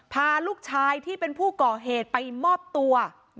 พาลูกชายที่เป็นผู้ก่อเหตุไปมอบตัว